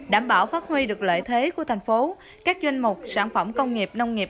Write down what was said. đảm bảo phát huy được lợi thế của thành phố các doanh mục sản phẩm công nghiệp nông nghiệp